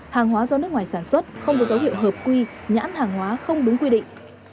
hàng hóa do nước ngoài sản xuất không có dấu hiệu hợp quy nhãn hàng hóa không đúng quy định